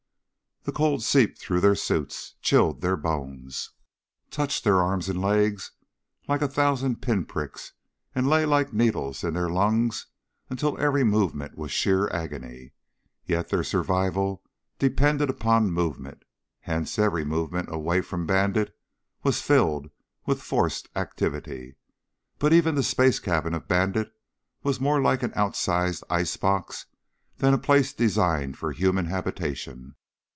The cold seeped through their suits, chilled their bones, touched their arms and legs like a thousand pin pricks and lay like needles in their lungs until every movement was sheer agony. Yet their survival depended upon movement, hence every moment away from Bandit was filled with forced activity. But even the space cabin of Bandit was more like an outsized icebox than a place designed for human habitation.